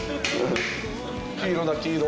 黄色だ黄色。